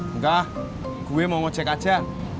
enggak gue mau ngecek aja